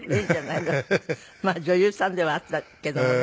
まあ女優さんではあったけどもね。